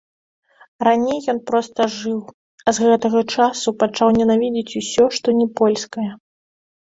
Раней ён проста жыў, а з гэтага часу пачаў ненавідзець усё, што не польскае.